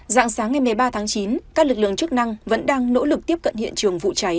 dạng sáng ngày một mươi ba tháng chín các lực lượng chức năng vẫn đang nỗ lực tiếp cận hiện trường vụ cháy